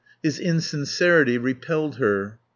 His insincerity repelled her.